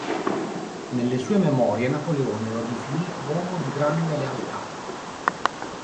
Nelle sue memorie Napoleone lo definì: "Uomo di grande lealtà".